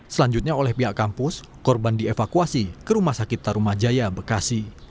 selanjutnya oleh pihak kampus korban dievakuasi ke rumah sakit tarumajaya bekasi